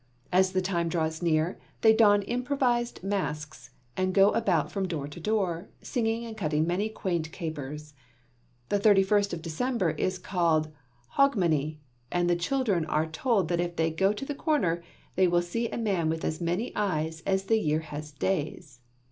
As the time draws near, they don improvised masks and go about from door to door, singing and cutting many quaint capers. The thirty first of December is called "Hogmanay," and the children are told that if they go to the corner, they will see a man with as many eyes as the year has days.